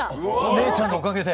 めーちゃんのおかげで？